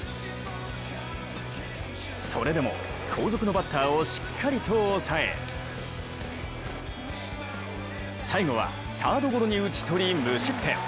それでも後続のバッターをしっかりと抑え最後はサードゴロに打ち取り無失点。